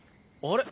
あれ？